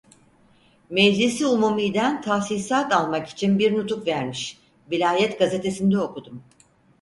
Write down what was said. Meclisi Umumi'den tahsisat almak için bir nutuk vermiş, vilayet gazetesinde okudum.